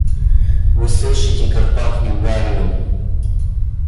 — Вы слышите, как пахнет гарью.